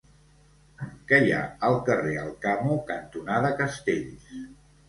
Què hi ha al carrer Alcamo cantonada Castells?